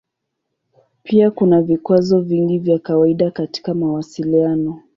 Pia kuna vikwazo vingi vya kawaida katika mawasiliano.